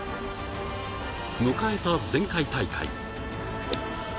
迎えた前回大会。